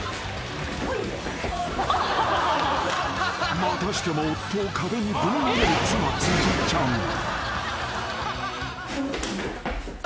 ［またしても夫を壁にぶん投げる妻辻ちゃん］いや。